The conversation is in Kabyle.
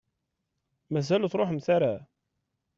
Mazal ur truḥemt ara?